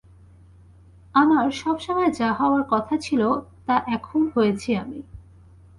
আমার সবসময় যা হওয়ার কথা ছিল তা এখন হয়েছি আমি।